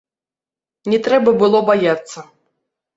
Не трэба было баяцца.